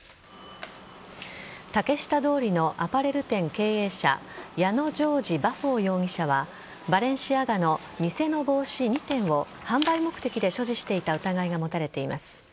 竹下通りのアパレル店経営者矢野城侍バフォー容疑者はバレンシアガの偽の帽子２点を販売目的で所持していた疑いが持たれています。